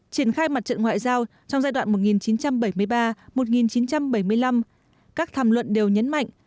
triển khai mặt trận ngoại giao trong giai đoạn một nghìn chín trăm bảy mươi ba một nghìn chín trăm bảy mươi năm các tham luận đều nhấn mạnh